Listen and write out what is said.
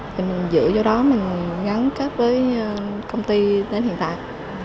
thì mình giữ cho đó mình gắn cấp với công ty đến hiện tại